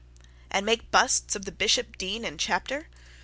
'And make busts of the bishop, dean and chapter?